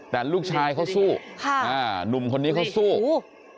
แต่ลูกชายเขาสู้นุ่มคนนี้เขาสู้